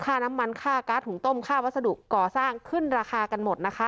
ค่าน้ำมันค่าการ์ดหุงต้มค่าวัสดุก่อสร้างขึ้นราคากันหมดนะคะ